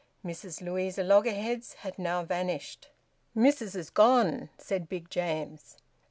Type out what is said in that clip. Mrs Louisa Loggerheads had now vanished. "Missis has gone," said Big James.